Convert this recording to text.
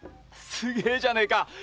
すげえじゃねえか！